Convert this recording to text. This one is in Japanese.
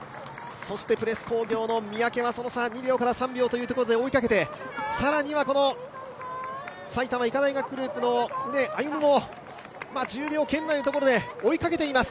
プレス工業の三宅はその差が２３秒で追いかけて、更には埼玉医科大学グループの畝歩夢も１０秒圏内のところで追いかけています。